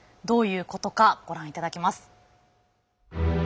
どういうことかご覧いただきます。